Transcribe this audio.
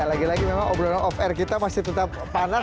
lagi lagi memang obrolan off air kita masih tetap panas